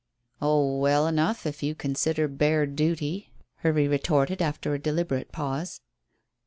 "Oh, well enough, if you consider bare duty," Hervey retorted after a deliberate pause.